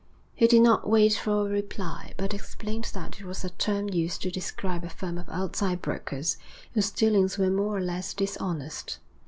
He did not wait for a reply, but explained that it was a term used to describe a firm of outside brokers whose dealings were more or less dishonest.